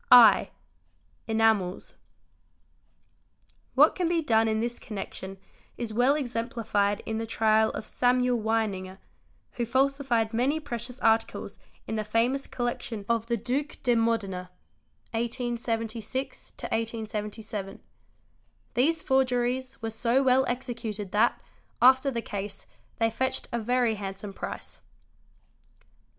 I, Enamels. _ What can be done in this connection is well exemplified in the trial _ of Samuel Weininger, who falsified many precious articles in the famous collection of the Duc de Modena (1876 1877) 4%. These forgeries were so well executed that, after the case, they fetched a very handsome price.